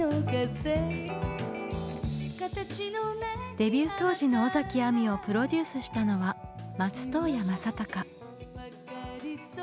デビュー当時の尾崎亜美をプロデュースしたのは松任谷正隆。